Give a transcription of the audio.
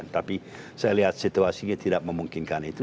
tapi saya lihat situasinya tidak memungkinkan itu